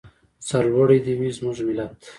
سرلوړی دې وي زموږ ملت.